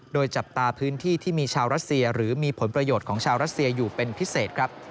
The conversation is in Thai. โดยจับตาพื้นที่ที่มีชาวรัสเซียหรือมีผลประโยชน์ของชาวรัสเซียอยู่เป็นพิเศษครับ